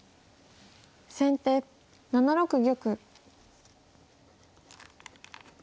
先手７六玉。